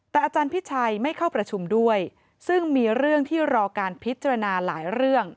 แต่อาจารย์พิชัยไม่เข้าประชุมด้วยซึ่งมีเรื่องที่รอการพิจารณาหลายเรื่อง